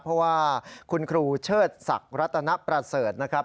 เพราะว่าคุณครูเชิดศักดิ์รัตนประเสริฐนะครับ